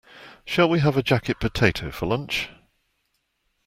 Shall we have a jacket potato for lunch?